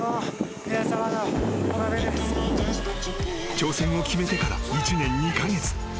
［挑戦を決めてから１年２カ月］